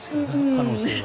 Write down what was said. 可能性は。